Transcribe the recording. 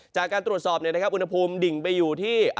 จากการตรวจสอบเนี่ยนะครับอุณหภูมิดิ่งไปอยู่ที่